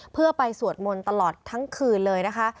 เพื่อไปสวดมนต์ตลอดทั้งคืนเลยนะคะ